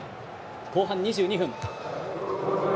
後半２２分。